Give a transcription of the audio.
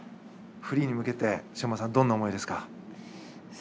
フリーに向けて昌磨さん、どんな思いですか？